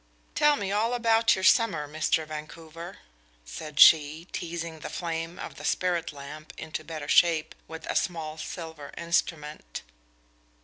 "Tell me all about your summer, Mr. Vancouver," said she, teasing the flame of the spirit lamp into better shape with a small silver instrument.